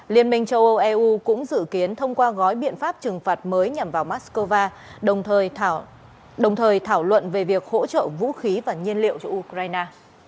liên minh châu âu eu cũng dự kiến thông qua gói biện pháp trừng phạt mới nhằm vào moscow đồng thời thảo luận về việc hỗ trợ vũ khí và nhiên liệu cho ukraine